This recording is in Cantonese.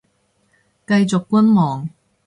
繼續觀望